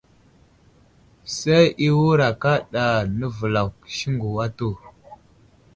Say i wə́rà kaɗa navəlakw siŋgu atu.